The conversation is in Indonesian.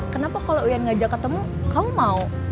kenapa kalau ian ngajak ketemu kamu mau